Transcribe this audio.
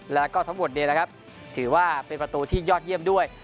แล้วก็ทั้งหมดนี้นะครับถือว่าเป็นประตูที่ยอดเยี่ยมด้วย